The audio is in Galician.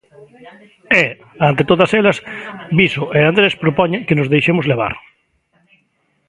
E, ante todas elas, Viso e Andrés propoñen que nos deixemos levar.